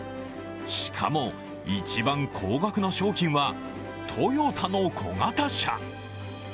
しかも、一番高額な商品はトヨタの小型車。